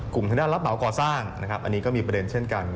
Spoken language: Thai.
กลุ่มทางด้านรับหม่าก่อสร้างอันนี้ก็มีประเด็นเช่นกัน